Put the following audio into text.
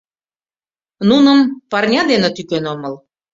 Нуным парня дене тӱкен омыл.